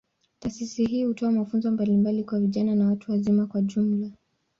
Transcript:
Taasisi hii hutoa mafunzo mbalimbali kwa vijana na watu wazima kwa ujumla.